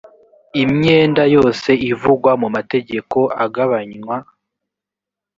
imyenda yose ivugwa mu mategeko agabanywa